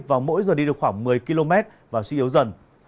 và mỗi giờ đi được khoảng một mươi km và suy yếu dần